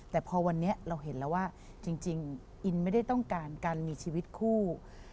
แต่พอวันนี้เราเห็นแล้วว่าจริงอินไม่ได้ต้องการการมีชีวิตคู่